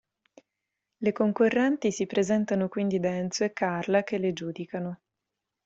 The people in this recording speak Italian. Le concorrenti si presentano quindi da Enzo e Carla che le giudicano.